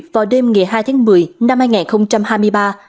vào đêm ngày hai tháng một mươi năm hai nghìn hai mươi ba